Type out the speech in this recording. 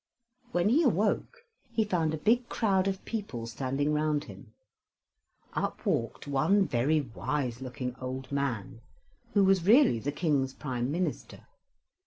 When he awoke, he found a big crowd of people standing round him. Up walked one very wise looking old man, who was really the King's prime minister.